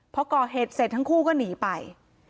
พอก่อเหตุเสร็จทั้งคู่ก็หนีไป